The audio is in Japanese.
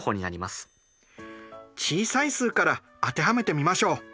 小さい数から当てはめてみましょう。